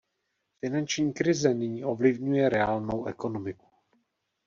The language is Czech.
Finanční krize nyní ovlivňuje reálnou ekonomiku.